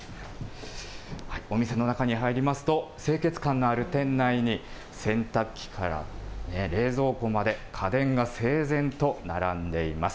お店の中に入りますと、清潔感のある店内に洗濯機から冷蔵庫まで家電が整然と並んでいます。